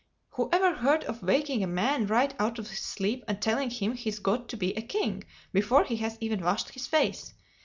Who ever heard of waking a man right out of his sleep, and telling him he's got to be a king, before he has even washed his face?